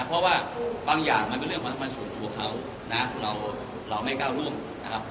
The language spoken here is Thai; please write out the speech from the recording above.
เพราะว่าบางอย่างมันเป็นเรื่องความสำคัญส่วนตัวเขานะเราไม่ก้าวร่วงนะครับ